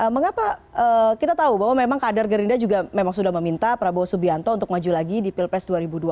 mengapa kita tahu bahwa memang kader gerindra juga memang sudah meminta prabowo subianto untuk maju lagi di pilpres dua ribu dua puluh